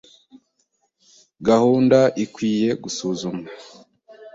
Gahunda ikwiye gusuzumwa.